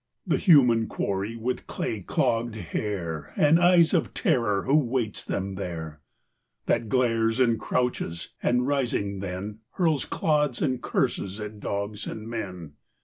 The human quarry with clay clogged hair And eyes of terror who waits them there. That glares and crouches and rising then Hurls clods and curses at dogs and men.